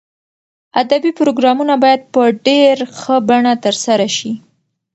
ادبي پروګرامونه باید په ډېر ښه بڼه ترسره شي.